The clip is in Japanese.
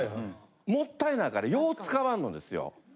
もったいないからよう使わんのですよ。